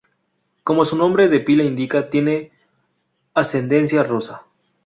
Como su nombre de pila indica tiene ascendencia rusa.